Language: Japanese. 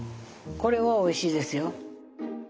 これはおいしいですよ。